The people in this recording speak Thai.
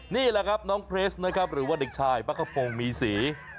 นี่แหละครับน้องเพลคหรือเด็กชายป๊ากข้างพงมีสี